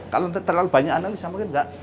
kalau untuk terlalu banyak analisa mungkin nggak